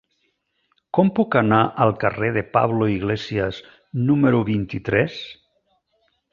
Com puc anar al carrer de Pablo Iglesias número vint-i-tres?